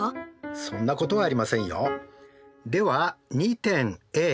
そんなことはありませんよ。